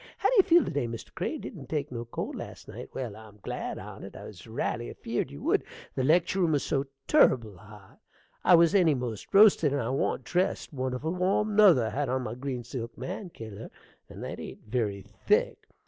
How do you feel to day, Mr. Crane? Didn't take no cold last night! Well, I'm glad on't. I was raly afeard you would, the lectur' room was so turrible hot. I was eny most roasted, and I wa'n't dressed wonderful warm nother, had on my green silk mankiller, and that ain't very thick.